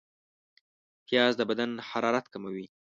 پیاز د بدن حرارت کموي